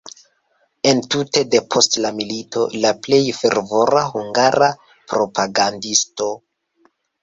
Entute depost la milito la plej fervora hungara propagandisto.